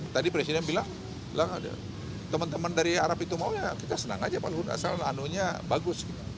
tadi presiden bilang teman teman dari arab itu mau ya kita senang aja pak luhut asal anunya bagus